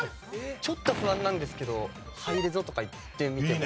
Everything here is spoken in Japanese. ちょっと不安なんですけどハイレゾとかいってみても。